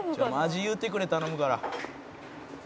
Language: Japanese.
「味言うてくれ頼むから」